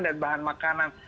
dan bahan makanan